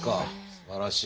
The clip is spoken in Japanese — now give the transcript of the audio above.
すばらしい。